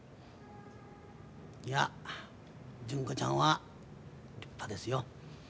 いや純子ちゃんは立派ですよ。